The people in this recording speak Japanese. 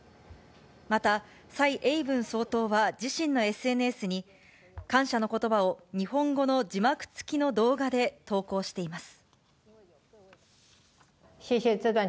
また、蔡英文総統は自身のＳＮＳに、感謝のことばを日本語の字幕付きの動画で投稿しています。